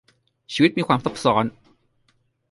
ชีวิตมีความซับซ้อน